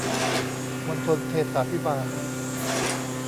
มณฑลเทศาภิบาล